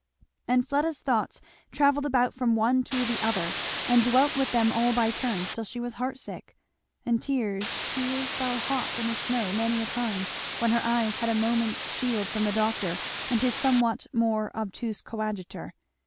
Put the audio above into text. And Fleda's thoughts travelled about from one to the other and dwelt with them all by turns till she was heart sick; and tears, tears, fell hot on the snow many a time when her eyes had a moment's shield from the doctor and his somewhat more obtuse coadjutor.